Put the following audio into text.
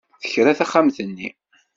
Tekra taxxamt-nni.